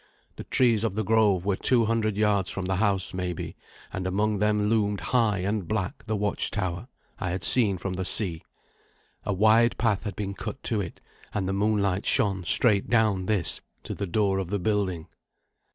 The trees of the grove were two hundred yards from the house, maybe, and among them loomed high and black the watchtower I had seen from the sea. A wide path had been cut to it, and the moonlight shone straight down this to the door of the building.